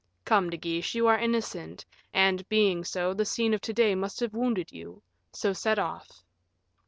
Come, De Guiche, you are innocent, and, being so, the scene of to day must have wounded you. So set off."